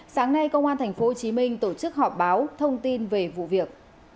sáng nay công an tp hcm tổ chức họp báo thông tin về vụ việc